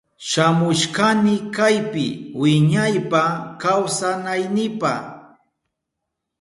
Shamushkani kaypi wiñaypa kawsanaynipa.